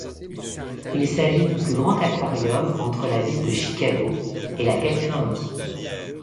Il s'agit du plus grand aquarium entre la ville de Chicago et la Californie.